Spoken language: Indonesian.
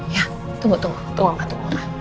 ya tunggu tunggu